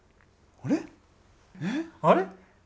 あれ？